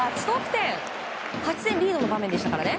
８点リードの場面でしたからね。